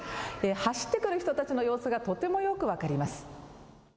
走ってくる人たちの様子がとてもよく分かります。